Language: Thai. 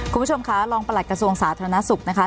คุณผู้ชมคะรองประหลัดกระทรวงสาธารณสุขนะคะ